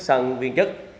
sang viên chức